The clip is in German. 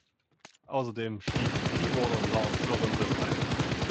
Außerdem stieg Keyboarder Lars Sorensen ein.